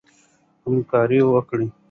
همکاري وکړئ.